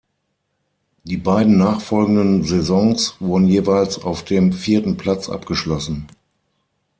Die beiden nachfolgenden Saisons wurden jeweils auf dem vierten Platz abgeschlossen.